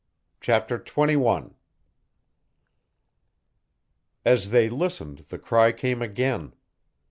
CHAPTER XXI As they listened the cry came again.